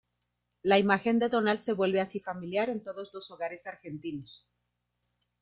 La imagen de Donald se vuelve así familiar en todos los hogares argentinos.